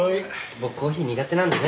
僕コーヒー苦手なんでね。